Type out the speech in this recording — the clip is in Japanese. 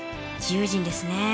自由人ですねえ。